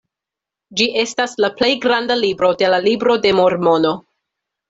Ĝi estas la plej granda libro de la Libro de Mormono.